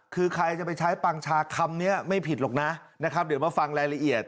คือใครจะไปใช้ปังชาคำนี้ไม่ผิดหรอกนะนะครับเดี๋ยวมาฟังรายละเอียด